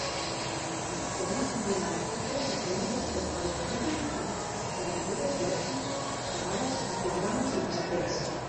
El suplement combinava articles i cròniques d'esperit crític amb caricatures, versos, xarades, epigrames i passatemps.